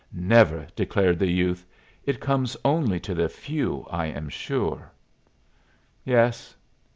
"Never!" declared the youth. "It comes only to the few, I am sure." "Yes.